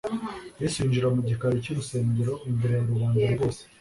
Yesu yinjira mu gikari cy'urusengero imbere ya rubanda rwose.